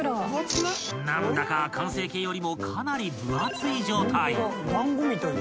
［何だか完成形よりもかなり分厚い状態］